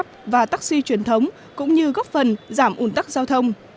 uber grab và taxi truyền thống cũng như góp phần giảm ủn tắc giao thông